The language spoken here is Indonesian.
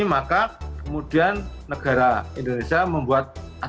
maka kemudian negara indonesia membuat